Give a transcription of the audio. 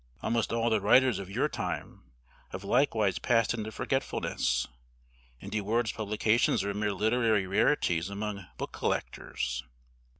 Almost all the writers of your time have likewise passed into forgetfulness, and De Worde's publications are mere literary rarities among book collectors.